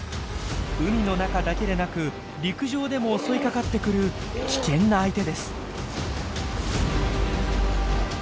海の中だけでなく陸上でも襲いかかってくる危険な相手です。